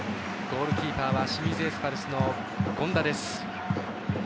ゴールキーパーは清水エスパルスの権田です。